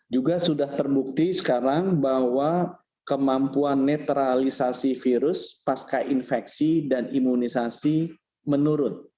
juga sudah terbukti sekarang bahwa kemampuan netralisasi virus pasca infeksi dan imunisasi menurun